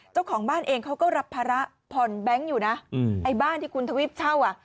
เจ้าของบ้านเองเขาก็รับภาระผ่อนแบงค์อยู่นะไอ้บ้านที่คุณทวิปเช่าอ่ะ